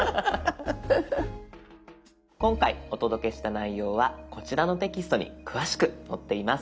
今回お届けした内容はこちらのテキストに詳しく載っています。